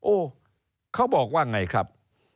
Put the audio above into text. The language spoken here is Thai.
โอ้เขาบอกว่าไงครับ